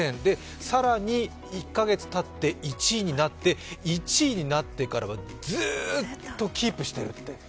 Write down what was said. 更に１カ月たって１位になって、１位になってからはずーっとキープしてるって。